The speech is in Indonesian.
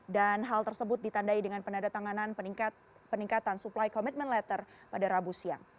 dan hal tersebut ditandai dengan penandatanganan peningkatan supply commitment letter pada rabu siang